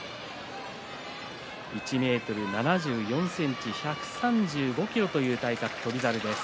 １ｍ７４ｃｍ１３５ｋｇという体格の翔猿です。